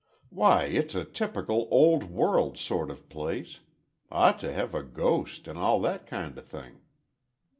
"Why, it's a typical old world sort of place. Ought to have a ghost, and all that kind of thing."